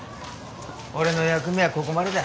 俺の役目はここまでだ。